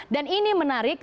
dan ini menarik